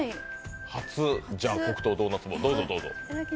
初黒糖ドーナツ棒、どうぞ。